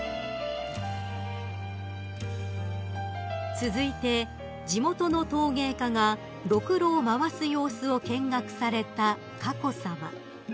［続いて地元の陶芸家がろくろを回す様子を見学された佳子さま］